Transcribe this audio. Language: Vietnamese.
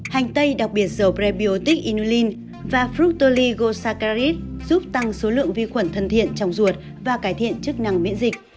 hành tây đặc biệt dầu prebiotic inulin và fructoligosaccharides giúp tăng số lượng vi khuẩn thân thiện trong ruột và cải thiện chức năng miễn dịch